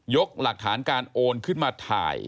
หลักฐานการโอนขึ้นมาถ่าย